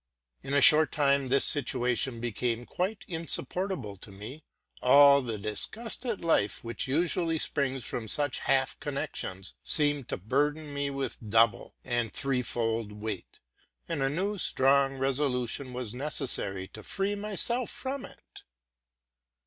In a short time this situation became quite in supportable to me: all the disgust at life which usually springs from such half connections seemed to burden me with double and threefold weight, and a new strong resolu tion was necessary to free myself from it.